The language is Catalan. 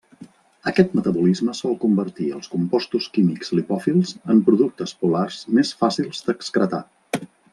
Aquest metabolisme sol convertir els compostos químics lipòfils en productes polars més fàcils d'excretar.